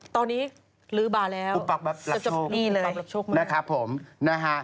ที่นี่เลย